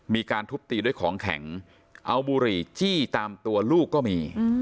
มีการทุบตีด้วยของแข็งเอาบุหรี่จี้ตามตัวลูกก็มี